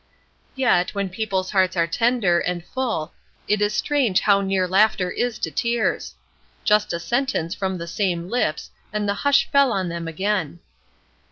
Yet, when people's hearts are tender, and full, it is strange how near laughter is to tears! Just a sentence from the same lips and the hush fell on them again.